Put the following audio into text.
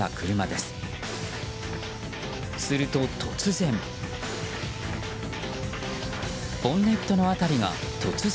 すると、突然。